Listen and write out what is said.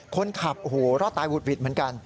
คนขับโหรอดตายวุดเหมือนกัน